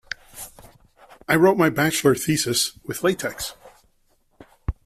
I wrote my bachelor thesis with latex.